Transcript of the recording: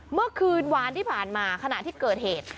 เมื่อวานที่ผ่านมาขณะที่เกิดเหตุ